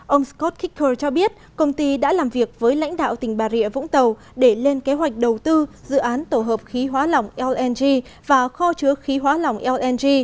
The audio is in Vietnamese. ông scott kicker cho biết công ty đã làm việc với lãnh đạo tỉnh bà rịa vũng tàu để lên kế hoạch đầu tư dự án tổ hợp khí hóa lỏng lng và kho chứa khí hóa lỏng lng